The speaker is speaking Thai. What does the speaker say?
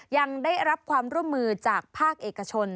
ยังได้รับความร่วมมือจากภาคเอกชน